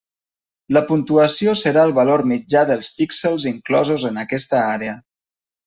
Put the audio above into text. La puntuació serà el valor mitjà dels píxels inclosos en aquesta àrea.